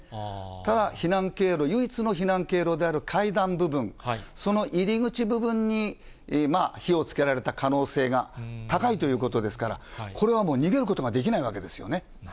ただ、避難経路、唯一の避難経路である階段部分、その入り口部分に火をつけられた可能性が高いということですから、これはもう逃げることができないわけですよね。